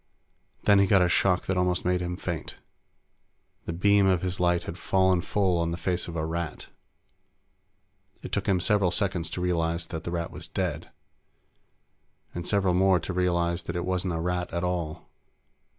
Then he got a shock that almost made him faint. The beam of his light had fallen full on the face of a Rat. It took him several seconds to realize that the Rat was dead, and several more to realize that it wasn't a Rat at all.